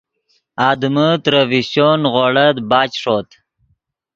آدمے ترے فیشچو نیغوڑت بچ ݰوت